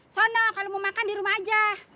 sono kalau mau makan di rumah aja